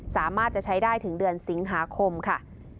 สามารถจะใช้ได้ถึงเดือนสิงหาคมค่ะ